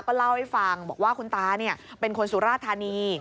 ก็เล่าให้ฟังบอกว่าคุณตาเป็นคนสุราธานี